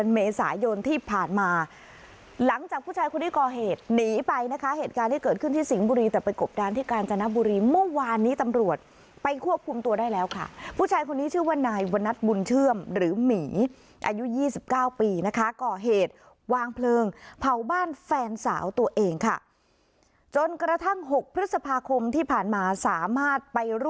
เมษายนที่ผ่านมาหลังจากผู้ชายคนที่ก่อเหตุหนีไปนะคะเหตุการณ์ที่เกิดขึ้นที่สิงห์บุรีแต่ไปกบดานที่กาญจนบุรีเมื่อวานนี้ตำรวจไปควบคุมตัวได้แล้วค่ะผู้ชายคนนี้ชื่อว่านายวันนัทบุญเชื่อมหรือหมีอายุ๒๙ปีนะคะก่อเหตุวางเพลิงเผาบ้านแฟนสาวตัวเองค่ะจนกระทั่ง๖พฤษภาคมที่ผ่านมาสามารถไปร่